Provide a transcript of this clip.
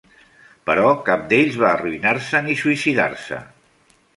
Però cap d'ells va arruïnar-se ni suïcidar-se.